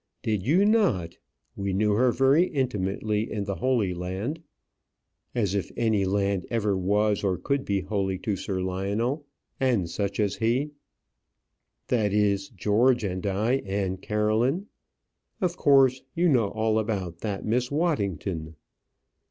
"Did you not? We knew her very intimately in the Holy Land" as if any land ever was or could be holy to Sir Lionel and such as he. "That is, George and I, and Caroline. Of course, you know all about that Miss Waddington."